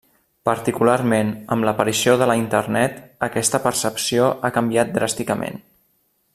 Particularment amb l'aparició de la Internet, aquesta percepció ha canviat dràsticament.